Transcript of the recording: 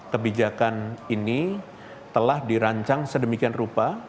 kebijakan ini telah dirancang sedemikian rupa